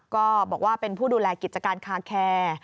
ก็บอกว่าเป็นผู้ดูแลกิจการคาแคร์